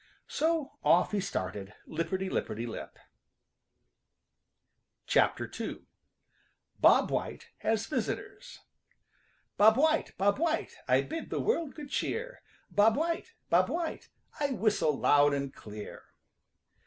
So off he started, lipperty lipperty lip. II. BOB WHITE HAS VISITORS ```"Bob White! Bob White! I bid the world good `````cheer! ```Bob White! Bob White! I whistle loud and clear!"